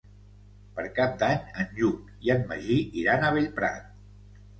Per Cap d'Any en Lluc i en Magí iran a Bellprat.